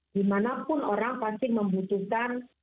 dimanapun orang pasti membutuhkan